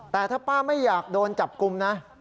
แต่ถ้าป้าไม่อยากโดนจับกลุ่มนะ